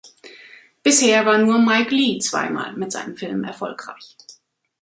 Bisher war nur Mike Leigh zweimal mit seinen Filmen erfolgreich.